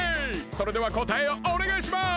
それではこたえをおねがいします！